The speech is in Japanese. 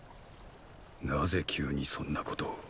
なぜ急にそんなことを。